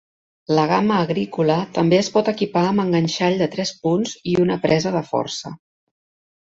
La gama agrícola també es pot equipar amb enganxall de tres punts i una presa de força.